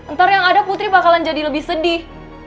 ntar yang ada putri bakalan jadi lebih sedih